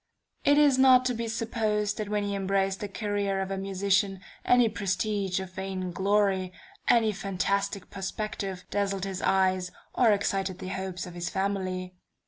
It is not to be supposed that when he embraced the career of a musician, any prestige of vain glory, any fantastic perspective, dazzled his eyes, or excited the hopes of his family.